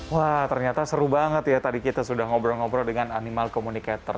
wah ternyata seru banget ya tadi kita sudah ngobrol ngobrol dengan animal communicator